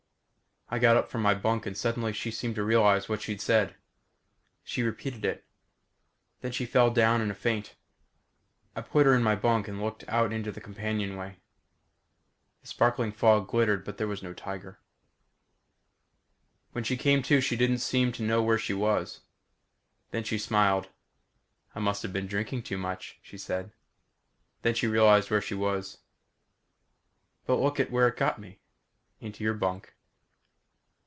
I got up from my bunk and suddenly she seemed to realize what she'd said. She repeated it. Then she fell down in a faint. I put her in my bunk and looked out into the companionway. The sparkling fog glittered but there was no tiger. When she came to, she didn't seem to know where she was. Then she smiled. "I must have been drinking too much," she said. Then she realized where she was. "But look where it got me? Into your bunk."